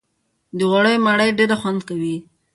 د غوړيو مړۍ ډېره خوند کوي